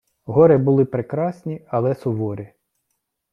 Гори були прекрасні, але суворі.